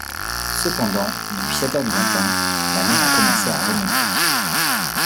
Cependant, depuis sept heures du matin, la mer a commencé à remonter.